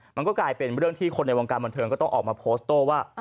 มันก็กลายเป็นเรื่องที่คนในวงการบันเทิงก็ต้องออกมาโพสต์โต้ว่า